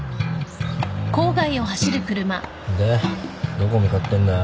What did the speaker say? どこ向かってんだよ？